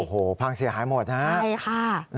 โอ้โฮพังเสียหายหมดนะฮะ